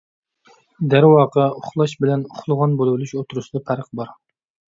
دەرۋەقە، ئۇخلاش بىلەن ئۇخلىغان بولۇۋېلىش ئوتتۇرىسىدا پەرق بار.